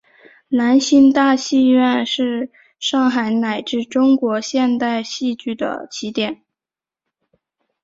兰心大戏院是上海乃至中国现代戏剧的起点。